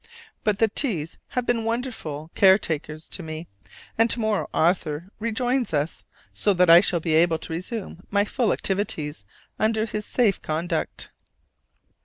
But the T s have been wonderful caretakers to me: and to morrow Arthur rejoins us, so that I shall be able to resume my full activities under his safe conduct.